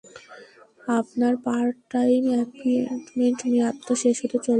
আপনার part time অ্যাপিয়েন্টমেন্টের মেয়াদ তো শেষ হতে চলল।